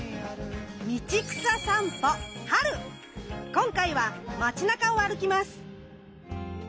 今回は街中を歩きます。